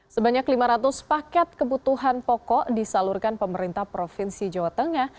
sebanyak lima ratus paket kebutuhan pokok disalurkan pemerintah provinsi jawa tengah